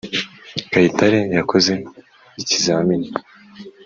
kayitare yakoze ikizamini